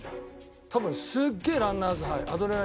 多分すっげえランナーズハイ。